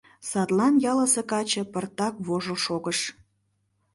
Садлан ялысе каче пыртак вожыл шогыш.